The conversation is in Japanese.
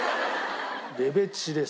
レベチです。